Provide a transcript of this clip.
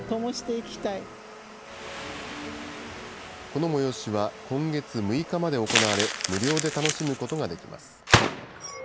この催しは、今月６日まで行われ、無料で楽しむことができます。